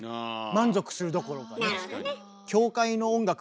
満足するどころかね。